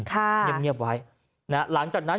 เงียบไว้หลังจากนั้น